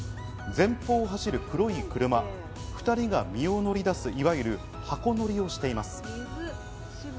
前方を走る黒い車、２人が身を乗り出す、いわゆる箱乗りをしています。